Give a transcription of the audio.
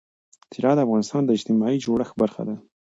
طلا د افغانستان د اجتماعي جوړښت برخه ده.